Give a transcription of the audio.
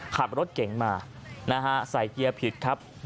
ขับรถเก่งมานะฮะใส่เกียร์ผิดครับ